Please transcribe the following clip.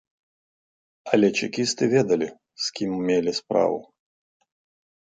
Але чэкісты ведалі, з кім мелі справу.